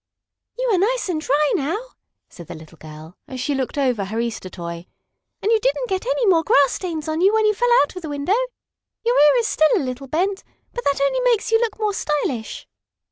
"You are nice and dry now," said the little girl, as she looked over her Easter toy. "And you didn't get any more grass stains on you when you fell out of the window. Your ear it still a little bent, but that only makes you look more stylish.